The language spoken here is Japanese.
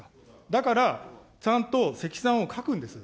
だからちゃんと、積算を書くんです。